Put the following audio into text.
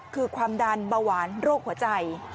คือความดันเบาหวานโรคหัวใจ